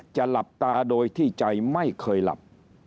หลับตาโดยที่ใจไม่เคยหลับ